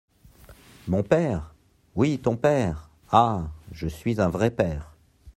Mon père ! Oui, ton père ! Ah ! je suis un vrai père.